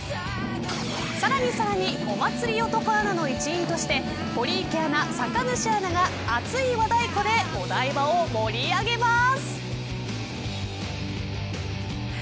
さらにさらにオマツリ男アナの一員として堀池アナ、酒主アナが熱い和太鼓でお台場を盛り上げます。